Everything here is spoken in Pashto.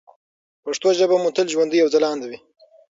پښتو ژبه مو تل ژوندۍ او ځلانده وي.